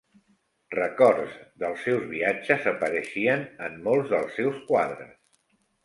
Records dels seus viatges apareixien en molts dels seus quadres.